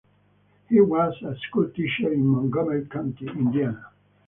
He was a school teacher in Montgomery County, Indiana.